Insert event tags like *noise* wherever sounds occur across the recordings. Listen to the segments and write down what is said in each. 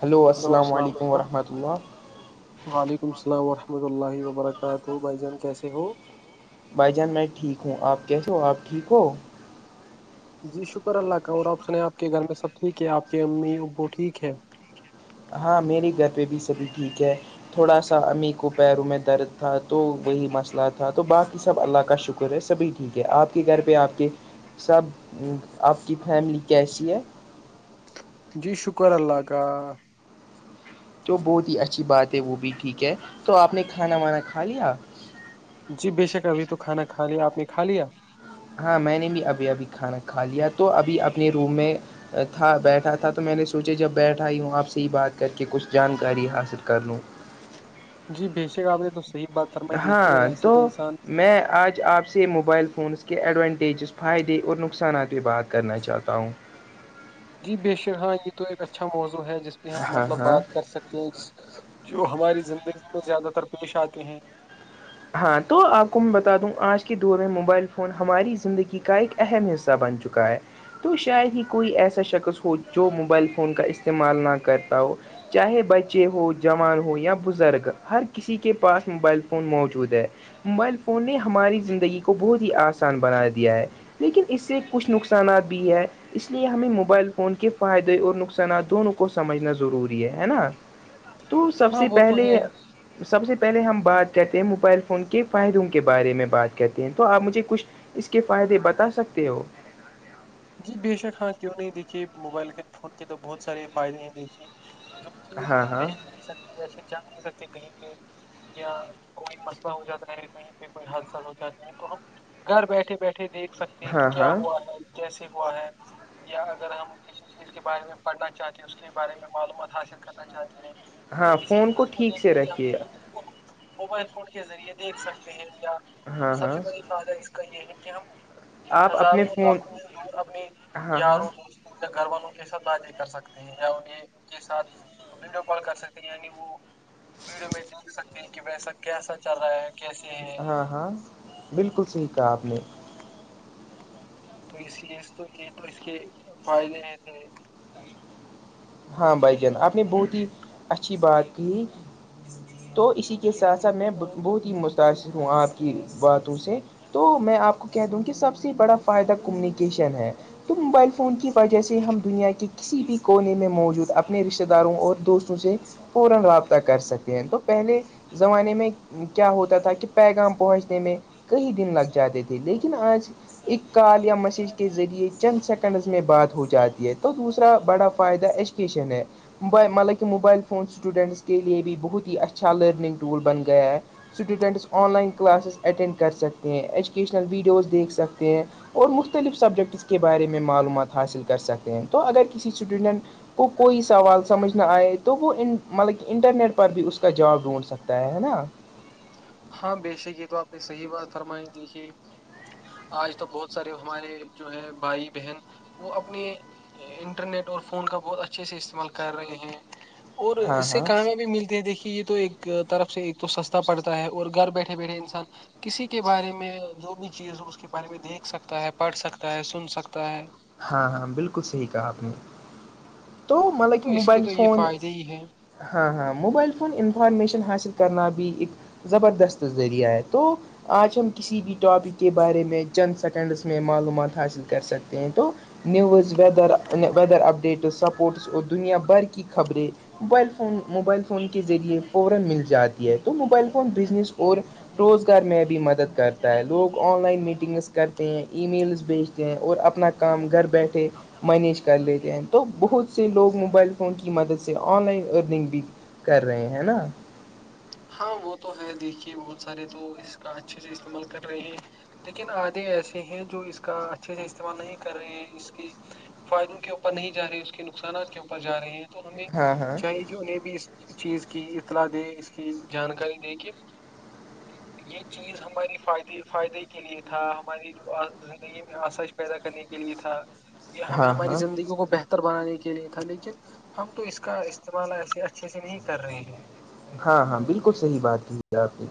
hello السلام علیکم ورحمۃ اللہ وعلیکم السلام ورحمۃ اللہ وبرکاتہ بھائی جان کیسے ہو بھائی جان میں ٹھیک ہوں آپ کیسو آپ ٹھیک ہو جی شکر اللہ کا اور آپ سنیں آپ کے گھر میں سب ٹھیک ہے آپ کے امی ابو ٹھیک ہے ہاں میرے گھر پہ بھی سبھی ٹھیک ہے تھوڑا سا امی کو پیروں میں درد تھا تو وہی مسئلہ تھا تو باقی سب اللہ کا شکر شکر ہے سبھی ٹھیک ہے آپ کے گھر پہ آپ کے سب آپ کی فیملی کیسی ہے جی شکر اللہ کا تو بہت ہی اچھی بات ہے وہ بھی ٹھیک ہے تو آپ نے کھانا وانا کھا لیا جی بےشک ابھی تو کھانا کھا لیا آپ نے کھا لیا ہاں میں نے بھی ابھی ابھی کھانا کھا لیا تو ابھی اپنے روم میں تھا بیٹھا تھا تو میں نے سوچا جب بیٹھا ہی ہوں آپ سے ہی بات کر کے کچھ جانکاری حاصل کر لوں جی بیشک آپ نے تو صحیح بات فرمائی دیکھی ہے ہاں ایسے تو انسان میں آج آپ سے سے موبائل فونس کے ایڈوانٹیجز فائدے اور نقصانات پہ بات کرنا چاہتا ہوں جی بےشک ہاں یہ تو ایک اچھا موضوع ہے جس پہ ہم ہاں مطلب ہاں بات کر سکتے ہیں ج جو ہماری زندگی میں زیادہ تر پیش آتے ہیں ہاں تو آپ کو میں بتا دوں آج کے دور میں موبائل فون ہماری زندگی کا ایک اہم حصہ بن چکا ہے تو شاید ہی کوئی ایسا شخص ہو جو موبائل فون کا استعمال نہ کرتا ہو چاہے بچے ہو جوان ہو یا بزرگ ہر کسی کے پاس موبائل فون موجود موبائل فون نے ہماری زندگی کو بہت ہی آسان بنا دیا ہے لیکن اس سے کچھ نقصانات بھی ہے اس لیے ہمیں موبائل فون کے فائدے اور نقصانات دونوں کو سمجھنا ضروری ہے ہے نا تو سب ہاں سے وہ تو پہلے ہے سب سے پہلے ہم بات کرتے موبائل فون کے فائدوں کے بارے میں بات کرتے ہیں تو آپ مجھے کچھ اس کے فائدے بتا سکتے ہو جی بے شک ہاں کیوں نہیں دیکھیے موبائل کے فون کے تو بہت سارے فائدے ہیں دیکھیے جو چیز ہاں ہم ہاں دیکھ نہیں سکتے جیسے جان نہیں سکتے کہیں بھیہ یا کوئی مسئلہ ہو جاتا ہے کہیں پہ کوئی حادثات ہو جاتی ہیں تو ہم گھر بیٹھے بیٹھے دیکھ سکتے ہیں کہ ہاں کیا ہاں ہوا ہے کیسے ہوا ہے یا اگر ہم ی کے بارے میں پڑھنا چاہتی ہیں اس کے بارے میں معلومات حاصل کرنا چاہتی ہیں یا ہاں کسی فون کو چیز ٹھیک سے دیکھنا رکھیے چاہتے گا ہیں تو وہ موبائل فون کے ذریعے دیکھ سکتے ہیں یا ہم ہاں سب ہاں سے بڑی فائدہ اس کا یہ ہے کہ ہم آپ اپنے فون اور اپنے ہاں ہاں یاروں گھر والوں کے ساتھ باتیں کر سکتے ہیں یا انہیں کے ساتھ ویڈیو کال کر سکتے ہیں یعنی وہ ویڈیو میں دیکھ سکتے ہیں کہ ویسا کیسا چل رہا ہے کیسے ہے ہاں ہاں بلکل صحیح کہا آپ نے تو اس لیے تو یہ تو اس کے فائدے تھے *inaudible* ہاں بھائی جان آپ نے بہت ہی اچھی بات کی تو اسی کے ساتھ ساتھ میں بہت ہی متاثر ہوں آپ کی باتوں سے تو میں آپ کو کہہ دوں کہ سب سے بڑا فائدہ کمیونیکیشن ہے تو موبائل فون کی وجہ سے ہم دنیا کے کسی بھی کونے میں موجود اپنے رشتتے داروں اور دوستوں تو جے فورن رابطہ کر سکتے ہیں تو پہلے زمانے میں کیا ہوتا تھا کہ پیغام پہنچنے میں کئی دن لگ جاتے تھے لیکن آج ایک کال یا میسیج کے ذریعے چند سیکنڈز میں بات ہو جاتی ہے تو دوسرا بڑا فائدہ ایج ایجوکیشن ہے موبائل مطلب کہ موبائل فون اسٹوڈنٹس کے لیے بھی بہت ہی اچھا اچھا لیرننگ ٹول بن گیا ہے students online classes attend کر سکتے ہیں ایجوکیشنل ویڈیوز دیکھ سکتے ہیں اور مختلف سبجیکٹس کے بارے میں معلومات حاصل کر سکتے ہیں تو اگر کسی اسٹوڈنٹ کو کوئی سوال سمجھ نہ آئے تو وہ ان مطلب کہ انٹرنیٹ پر بھی اس کا جواب ڈھونڈ سکتا ہے ہے نا ہاں بے شک یہ تو آپ نے صحیح بات فرمائی دیکھیے آج تو بہت سارے ہمارے جو ہے بھائی بہن وہ اپنی انٹرنیٹ اور فون کا بہت اچھے سے استعمال کر رہے ہیں اور ہاں اس سے ہاں کامیابی ملتی ہے دیکھیے یہ تو ایک طرف سے ایک تو سستا پڑتا ہے اور گھر بیٹھے بیٹھے انسان کسی کے بارے میں جو بھی چیز ہو اس کے بارے میں دیکھ سکتا ہے پڑھ سکتا ہے سن سکتا ہے ہاں ہاں بلکل صحیح کہا آپ نے تو مطلب تو کہ اس کے موبائل تو یہ فون فائدے ہی ہیں ہاں ہاں موبائل فون انفارمیشن حاصل کرنا بھی ایک زبردست ذریعہ ہے تو آج ہم کسی بھی ٹاپک کے بارے میں چند سیکنڈس میں معلومات حاصل کر سکتے تے ہے تو news weather weather updates sports اور دنیا بھر کی خبریں موبائل فون موبائل فون کے ذریعے فورن مل جاتی ہے تو موبائل فون بزنس اور روزگار میں بھی مدد کرتا ہے لوگ آن لائن میٹنگس کرتے ہیں ای میلس بھیجتے ہیں اور اپ اپنا کام گھر بیٹھے مینیج کر لیتے ہیں تو بہت سے لوگ موبائل فون کی مدد سے آن لائن ارننگ بھی کر رہے ہیں ہے نا ہاں وہ تو ہے دیکھیے بہت سارے تو اس کا اچھے سے استعمال کر رہے ہیں دیکھیے نا آدھے ایسے ہیں جو اس کا اچھے سے استعمال نہیں کر رہے ہیں اس کی فائدوں کے اوپر نہیں جا رہے ہیں اس کے نقصانات کے اوپر جا رہے ہیں تو ہمیں ہاں ہاں چاہیے کہ انہیں بھی اس چیز کی اطلاع دے کی جانکاری دے کہ یہ چیز ہماری فائدی فائدے کے لیے تھا ہماری جو زندگی میں آسایش پیدا کرنے کے لیے تھا یہ ہمیں ہاں ہماری ہاں زندگی کو بہ کروانے کے لیے تھا لیکن ہم تو اس کا استعمال ایسے اچھے سے نہیں کر رہے ہیں ہاں ہاں بالکل صحیح بات کی ہے آپ نے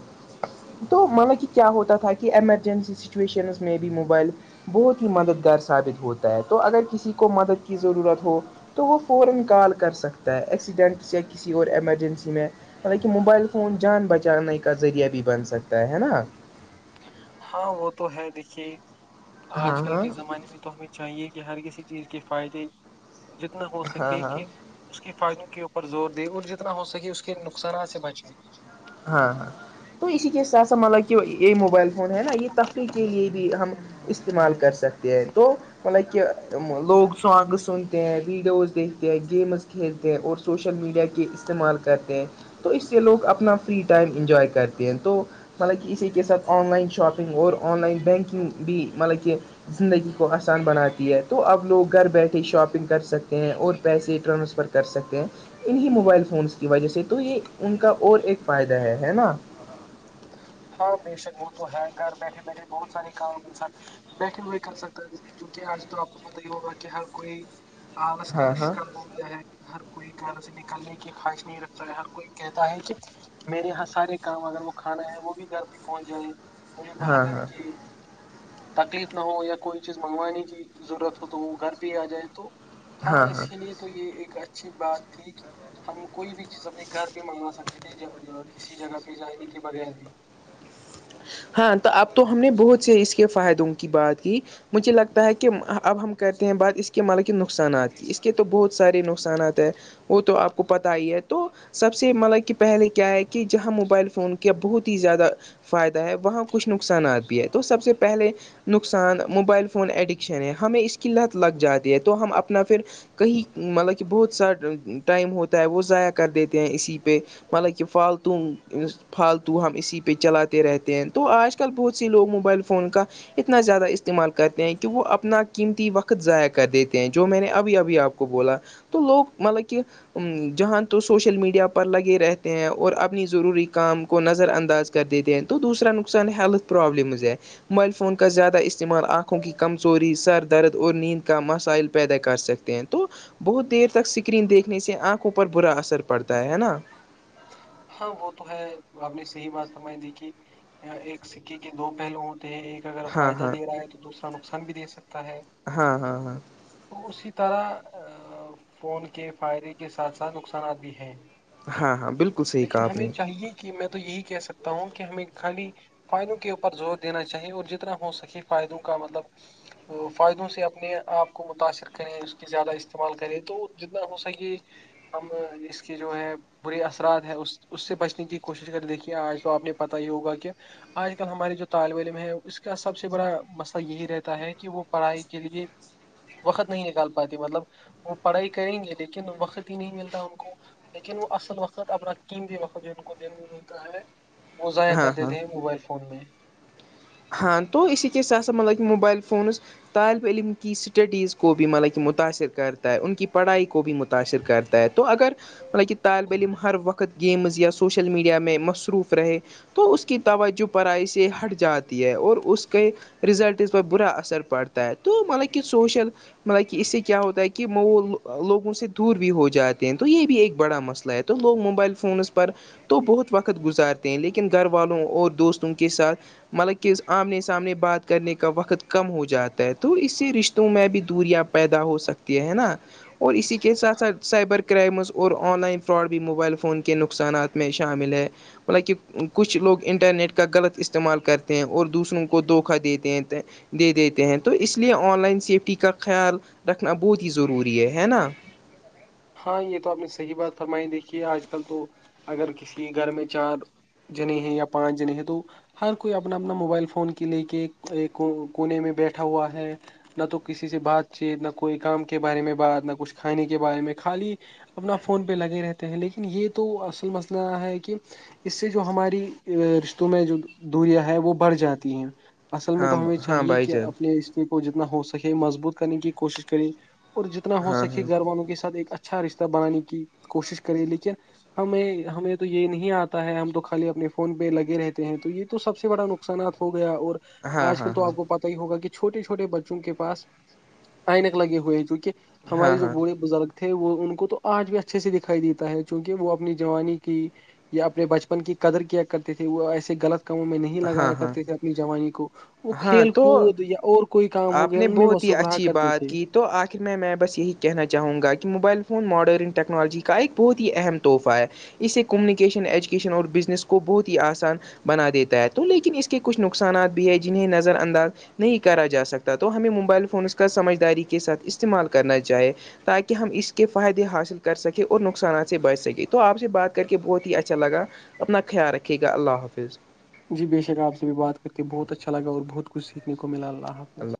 تو مطلب کہ کیا ہوتا تھا کہ ایمرجنسی سچویشنز میں بھی موبائل بہت ہی مددگار ثابت ہوتا ہے تو اگر کسی کو مدد کی ضرورت ہو تو وہ فورن کال کر سکتا ہے ایکسیڈنٹ یا کسی اور ایمرجنسی میں ہاں لیکن موبائل فون جان بچانے کا ذریعہ بھی بن سکتا ہے ہے نا ہاں وہ تو ہے دیکھیے آج ہاں کل ہاں کے زمانے میں تو ہمیں چاہیے کہ ہر کسی چیز کے فائدے جتنا ہو ہاں سکے ہاں کہ اس کی فائدوں کے اوپر زور دے اور جتنا ہو سکے اس کے نقصانات سے بچے ہاں ہاں تو اسی کے س ساتھ مطلب کہ یہ موبائل فون ہے نا یہ تفریح کے لیے بھی ہم استعمال کر سکتے ہیں تو مطلب کیا لوگ سانگ سنتے ہیں ویڈیوز دیکھتے ہیں گیمز کھیلتے ہیں اور سوشل میڈیا کے استعمال کرتے ہیں تو اس سے لوگ اپنا فری ٹائم انجوائے کرتے ہیں تو مطلب کہ اسی کے ساتھ آن لائن شاپنگ اور آن لائن بینکنگ بھی مطلب کہ زندگی کو آسان بناتی ہے تو اب لوگ گھر بیٹھے شاپنگ کر سکتے ہیں اور پیسے ٹرانسفر کر سکتے ہیں انہیں موبائل فونس کی وجہ سے تو یہ ان کا اور ایک فائدہ ہے ہے نا ہاں بے شک وہ تو ہے گھر بیٹھے بیٹھے بہت سارے کام انسان بیٹھے ہوئے کر سکتا ہے کیونکہ آج تو آپ کو پت ہی ہوگا کہ ہر کوئی آلس کا ہاں ر ہاں شکن ہو گیا ہے ہر کوئی کہاں سے نکالنے کی خواہش نہیں رکھتا ہے ہر کوئی کہتا ہے کہ میرے یہاں سارے کام اگر وہ کھانا ہے وہ بھی گھر پہ پہنچ جائیں مجھے باہر ہاں جانے ہاں کےے تکلیف نہ ہو یا کوئی چیز منگوانے کی ضرورت ہو تو وہ گھر پہ ہی آ جائے تو ہاں اس کے لیے تو یہ ایک اچھی بات تھی کہ ہم کوئی بھی چیز اپنے گھر پہ منگوا سکتے تھے کسی جگہ پہ جانے کے بغیر بھی ہاں تو اب تو ہم نے بہت سے اس کے فائدوں کی بات کی مجھے لگتا ہے کہ اب ہم کرتے ہیں بات اس کے مطلب کہ نقصانات اس کے تو بہت سارے نقصانات ہیں وہ تو آپ کو پتا ہی ہے تو سب سے مطلب کہ پہلے کیا ہے کہ جہاں موبائل فون کا بہت ہی زیادہ فائدہ ہے وہاں کچھ نقصانات بھی ہے تو سب سے پہلے نقصان موبائل فون ایڈکشن ہے ہمیں اس لت لگ جاتی ہے تو ہم اپنا پھر کہیں مطلب کہ بہت سا ٹائم ہوتا ہے وہ ضائع کر دیتے ہیں اسی پہ مطلب کہ کہ فالتو فالتو ہم اسی پہ چلاتے رہتے ہیں تو آج کل بہت سی لوگ موبائل فون کا اتنا زیادہ استعمال کرتے ہیں کہ وہ اپنا قیمتی وقت ضائع کر دیتے ہیں جو میں نے ابھی ابھی آپ کو بولا تو لوگ مطلب کہ جہاں تو سوشل میڈیا پر لگے رہتے ہیں اور اپنی ضروری کام کو نظر انداز کر دیتے ہیں دوسرا نقصان ہیلتھ پرابلممز ہے موبائل فون کا زیادہ اس استعمال آنکھوں کی کمزوری سر درد اور نیند کا مسائل پیدا کر سکتے ہیں تو بہت دیر تک اسکرین دیکھنے سے آنکھوں پر برا اثر پڑتا ہے نا ہاں وہ تو ہے آپ نے صحیح بات فرمائی دیکھی ایک سکے کے دو پہلو ہوتے ہیں ایک اگر ہاں فائدہ ہاں دے رہا ہے تو دوسرا نقصان بھی دے سکتا ہے ہاں ہاں ہاں تو اسی طرح فون کے فائدے کے ساتھ ساتھ نقصانات بھی ہیں ہاں ہاں بالکل صحیح کہا لیکن آپ ہمیں نے چاہیے کہ میں تو یہی کہہ سکتا ہوں کہ ہمیں خالی فائدوں کے اوپر زور دینا چاہیے اور جتنا ہو سکے فائدوں کا مطلب فائدوں سے اپنے آپ کو متاثر کریں اس کی زیادہ استعمال کریں تو جتنا ہو سکے ہم اس کی جو ہے برے اثرات ہیں اس اس سے بچنے کی کوشش کرے دیکھیے آج تو آپ نے پتہ ہی ہوگا کہ آج کل ہمارے جو طالب علم ہے اس کا سب سے بڑا مسئلہ یہی رہتا ہے کہ وہ پڑھائی کے لیے وقت نہیں نکال پاتی مطلب وہ پڑھائی کریں گے لیکن وقت ہی نہیں ملتا ان کو لیکن وہ وقت اپنا قیمتی وقت جو کو دن میں ملتا ہے وہ ضائع ہاں کر ہاں دیتے ہیں موبائل فون میں ہاں تو اسی کے ساتھ ساتھ مطلب کہ موبائل فونز طالب علم کی اسٹڈیز کو بھی مطلب کہ متاثر کرتا ہے ان کی پڑھائی کو بھی متاثر کرتا ہے تو اگر مطلب کہ طالب علم ہر وقت گیمز یا سوشل میڈیا میں مصصو روف رہے تو اس کی توجہ پرائی سے ہٹ جاتی ہے اور اس کے رزلٹ پر برا اثر پڑتا ہے تو مطلب کہ سوشل مطلب کہ اس سے کیا ہوتا ہے کہ وہ لوگوں سے دور بھی ہو جاتے ہیں تو یہ بھی ایک بڑا مسئلہ ہے تو لوگ موبائل فونز پر تو بہت وقت گزارتے ہیں لیکن گھر والوں اور دوستوں کے ساتھ مطلب کہ آمنے سامنے بات کرنے کا وقت کم ہو جاتا ہے تو اس سے رشتوں میں بھی دوریاں پیدا ہو سکتی ہے ہے نا اور اسی کے ساتھ ساتھ سائبر کرائمس اور آن لائن فراڈ بھی موبائل فون کے نقصانات میں شامل ہے مطل کہ کچھ لوگ انٹرنیٹ کا غلط استعمال کرتے اور دوسروں کو دھوکا دیتے ہیں دے دیتے ہیں تو اس لیے آن لائن سیفٹی کا خیال رکھنا بہت ہی ضروری ہے ہے نا ہاں یہ تو آپ نے صحیح بات فرمائی دیکھیے آج کل تو اگر کسی گھر میں چار جنے ہیں یا پانچ جنے ہیں تو ہر کوئی اپنا اپنا موبائل فون کے لے کے ایک کونے میں بیٹھا ہوا ہے نہ تو کسی سے بات چیت نہ کوئی کام کے بارے میں بات نہ کچھ کھانے کے بارے میں خالی اپنا فون پہ لگے رہتے ہیں لیکن یہ تو اصل مسئلہ ہے کہ اس سے جو ہماری رشتوں میں جو دوریاں ہے وہ بڑھ جاتی ہیں اصل میں ہاں تو ہمیں ہاں چاہیے بھائی کہ جان اپنےاس کو جتنا ہو سکے مضبوط کرنے کی کوشش کرے اور جتنا ہو ہاں سکے گھر والوں کے ساتھ ایک اچھا رشتہ بنانے کی کوشش کرے لیکن ہمیں ہمیں تو یہ نہیں آتا ہے ہم تو خالی اپنے فون پہ لگے رہتے ہیں تو یہ تو سب سے بڑا نقصانات ہو گیا اور ہاں آج کل ہاں تو ہاں آپ کو پتا ہوگا کہ چھوٹے چھوٹے بچوں کے پاس عینک لگے ہوئے جو کہ ہاں ہاں ہمارے جو بوڑھے بزرگ تھے وہ ان کو تو آج بھی اچھے سے دکھائی دیتا ہے چونکہ وہ اپنی جوانی کی یا اپنے بچپن کی قدر کیا کرتے تھے وہ ایسے غلط کاموں میں نہیں ہاں لگایا ہاں کرتے ہاں تھے اپنی جوانی کو وہ ہاں کھیل تو کود یا اور کوئی کام ہو آپ گیا نے ان میں بہت ہی مصروف رہا اچھی بات کرتیےتھے کی تو آخر میں میں بس یہی کہنا چاہوں گا کہ موبائل فون ماڈرن ٹیکنالوجی کا ایک بہت ہی اہم تحفہ ہے اس سے کمونیکیشن ایجوکیشن اور بزنس کو بہت ہی آسان بنا دیتا ہے تو لیکن اس کے کچھ نقصانات بھی ہیں جنہیں نظر انداز نہیں کرا جا سکتا سکتا تو ہمیں موبائل فونس کا سمجھداری کے ساتھ استعمال کرنا چاہے تاکہ ہم اس کے فائدے حاصل کر سکیں اور نقصانات سے بچ سکیں تو آپ سے بات کر کے بہت ہی اچھا لگا اپنا خیال رکھیے گا اللہ حافظ جی بے شک آپ سے بھی بات کر کے بہت اچھا لگا اور بہت کچھ سیکھنے کو ملا اللہ حافظ